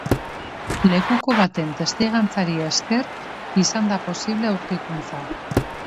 Lekuko baten testigantzari esker izan da posible aurkikuntza.